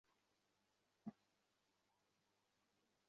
Please আপনারা কী পায়েল সিনেমাহলে আসতে পারবেন?